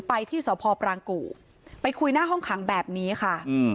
ไปที่สพปรางกู่ไปคุยหน้าห้องขังแบบนี้ค่ะ